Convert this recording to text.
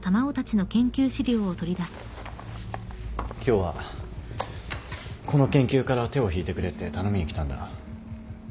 今日はこの研究から手を引いてくれって頼みに来たんだ。